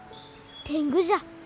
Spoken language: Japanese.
天狗じゃ。